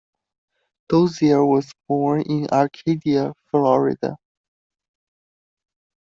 Dozier was born in Arcadia, Florida.